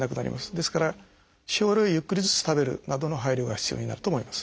ですから少量をゆっくりずつ食べるなどの配慮が必要になると思います。